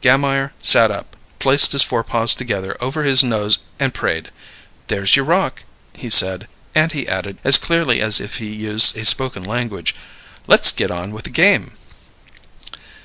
Gammire "sat up," placed his forepaws together over his nose and prayed. "There's your rock," he said. And he added, as clearly as if he used a spoken language, "Let's get on with the game!"